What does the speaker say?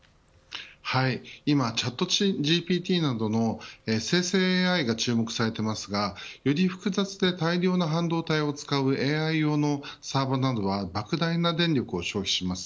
はい、今チャットＧＰＴなどの生成ＡＩが注目されていますがより複雑で大量の半導体を使うＡＩ用のサーバーなどは莫大な電力を消費します。